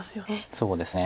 そうですね。